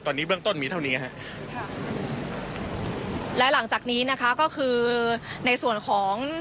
ตอนนี้เบื้องต้นมีเท่านี้ฮะค่ะและหลังจากนี้นะคะก็คือในส่วนของ